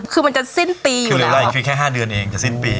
คือมันจะสิ้นปีอยู่แล้วคืออะไรคือแค่ห้าเดือนเองจะสิ้นปี